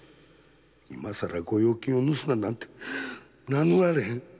今さら御用金を盗んだなんて名乗られへん！